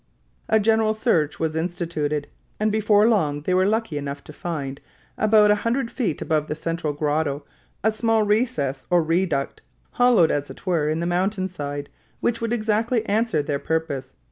A general search was instituted, and before long they were lucky enough to find, about a hundred feet above the central grotto, a small recess or reduct hollowed, as it were, in the mountain side, which would exactly answer their purpose.